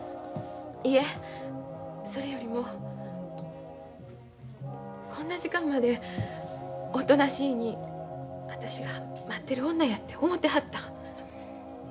いえそれよりもこんな時間までおとなしいに私が待ってる女やて思てはったん？